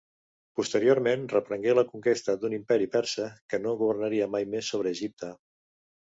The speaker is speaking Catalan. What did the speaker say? Posteriorment reprengué la conquesta d'un Imperi Persa que no governaria mai més sobre Egipte.